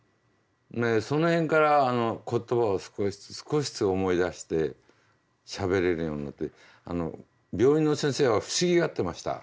その辺から言葉を少しずつ思い出してしゃべれるようになって病院の先生は不思議がってました。